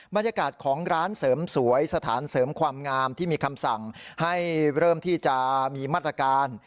บรรยากาศของร้านเสริมสวยสถานเสริมความงามที่มีคำสั่งให้เริ่มที่จะมีมาตรการ